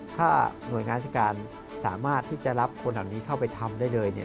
ถ้าหน่วยงานราชการสามารถที่จะรับคนเหล่านี้เข้าไปทำได้เลยเนี่ย